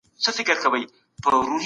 په ژړا دی